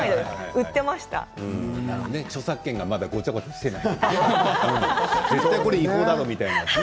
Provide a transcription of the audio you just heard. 著作権がまだごちゃごちゃしていないころね。